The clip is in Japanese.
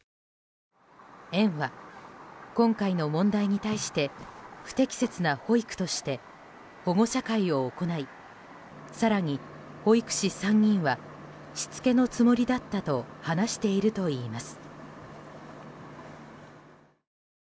園は今回の問題に対して不適切な保育として保護者会を行い更に、保育士３人はしつけのつもりだったと話しているといいます。